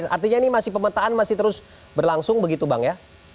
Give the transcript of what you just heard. artinya ini masih pemetaan masih terus berlangsung begitu bang ya